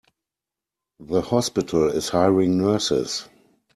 The hospital is hiring nurses.